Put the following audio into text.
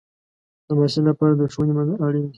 د محصل لپاره د ښوونې منل اړین دی.